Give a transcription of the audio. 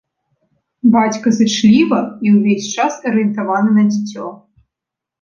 Бацька зычліва і ўвесь час арыентаваны на дзіцё.